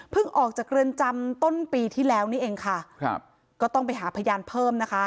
ออกจากเรือนจำต้นปีที่แล้วนี่เองค่ะครับก็ต้องไปหาพยานเพิ่มนะคะ